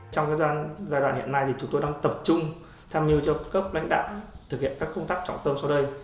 trong giai đoạn hiện nay chúng tôi đang tập trung tham mưu cho cấp lãnh đạo thực hiện các công tác trọng tâm sau đây